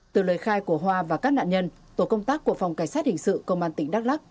từ lời khai của hoa và các nạn nhân tổ công tác của phòng cảnh sát hình sự công an tỉnh đắk lắc